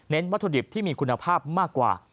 วัตถุดิบที่มีคุณภาพมากกว่า